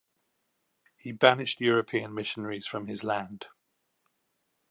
He banished European missionaries from his land.